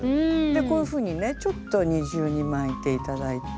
こういうふうにねちょっと二重に巻いて頂いて。